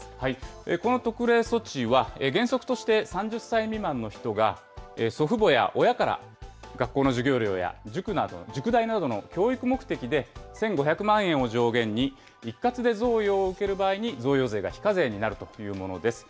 この特例措置は、原則として３０歳未満の人が、祖父母や親から学校の授業料や塾代などの教育目的で１５００万円を上限に、一括で贈与を受ける場合に贈与税が非課税になるというものです。